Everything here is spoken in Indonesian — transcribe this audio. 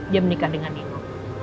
dia menikah dengan nino